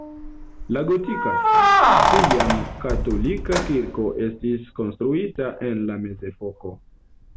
La gotika, tiam katolika kirko estis konstruita en la mezepoko.